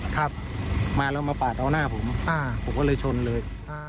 ครับมาแล้วมาปาดเอาหน้าผมผมก็เลยชนเลย